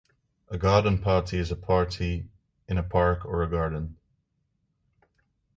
A garden party is a party in a park or a garden.